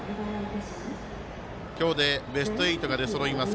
今日でベスト８が出そろいます